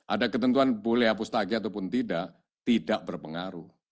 ada ketentuan boleh hapus tagih ataupun tidak tidak berpengaruh